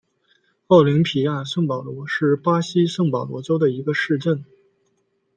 奥林匹亚圣保罗是巴西圣保罗州的一个市镇。